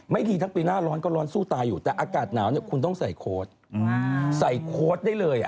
ไม่ดีทั้งปีหน้าร้อนก็ร้อนสู้ตายอยู่แต่อากาศหนาวคุณต้องใส่โค้ด